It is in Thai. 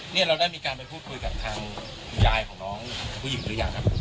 อ๋อเงี้ยเราได้มีการไปพูดคุยกับทางยายของน้องผู้หญิงหรือยัง